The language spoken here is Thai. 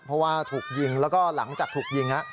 เพราะว่าถูกยิงแล้วก็หลังจากถูกยิง